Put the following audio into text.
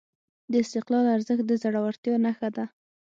د استقلال ارزښت د زړورتیا نښه ده.